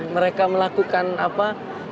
mereka melakukan apa